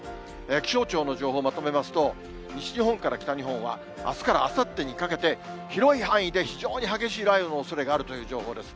気象庁の情報をまとめますと、西日本から北日本は、あすからあさってにかけて、広い範囲で非常に激しい雷雨のおそれがあるという情報です。